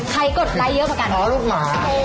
ใครกดไลก์เยอะพวกกันนะโอ้โฮรูปหมา